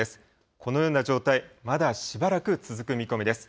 このような状態、まだしばらく続く見込みです。